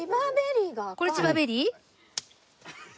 これチーバベリー？